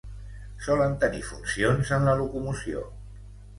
Solen tenir funcions en la locomoció.